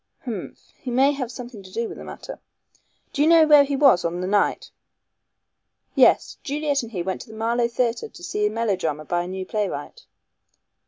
Humph! He may have something to do with the matter. Do you know where he was on that night?" "Yes. Juliet and he went to the Marlow Theatre to see a melodrama by a new playwright."